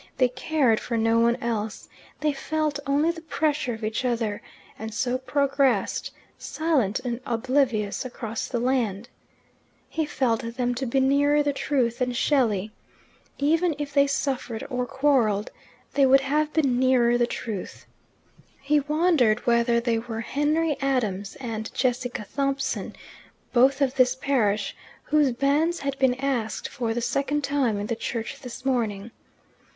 They cared for no one else; they felt only the pressure of each other, and so progressed, silent and oblivious, across the land. He felt them to be nearer the truth than Shelley. Even if they suffered or quarrelled, they would have been nearer the truth. He wondered whether they were Henry Adams and Jessica Thompson, both of this parish, whose banns had been asked for the second time in the church this morning.